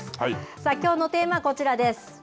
さあ、きょうのテーマはこちらです。